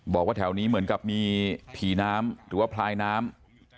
บอกว่าแถวนี้เหมือนกับมีผีน้ำหรือว่าพลายน้ำ